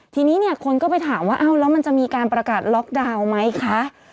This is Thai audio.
ทีนี้เนี่ยคนก็ไปถามว่าอ้าวแล้วมันจะมีการประกาศล็อกดาวน์ไหมคะ